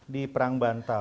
di perang bantal